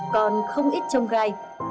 còn không ít trông gai